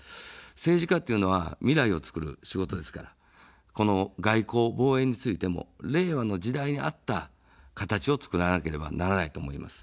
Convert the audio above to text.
政治家というのは未来をつくる仕事ですから、この外交、防衛についても令和の時代に合った形をつくらなければならないと思います。